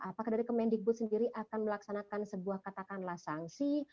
apakah dari kemendikbud sendiri akan melaksanakan sebuah katakanlah sanksi